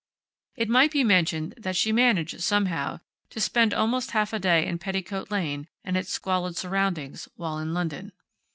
It might be mentioned that she managed, somehow, to spend almost half a day in Petticoat Lane, and its squalid surroundings, while in London.